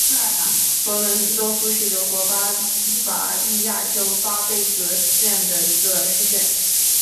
弗伦斯多夫是德国巴伐利亚州班贝格县的一个市镇。